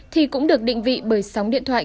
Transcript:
thì cũng được định vị bởi sóng điện thoại